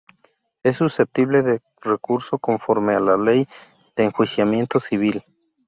Es susceptible de recurso conforme a la Ley de Enjuiciamiento Civil.